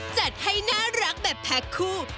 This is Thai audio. จัดให้น่ารักแบบแพ็คคู่